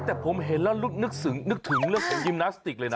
แต่ผมเห็นแล้วนึกถึงเรื่องของยิมนาสติกเลยนะ